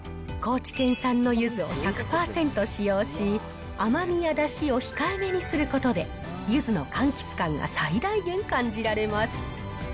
高知県産のゆずを１００％使用し、甘みやだしを控えめにすることで、ゆずのかんきつ感が最大限感じられます。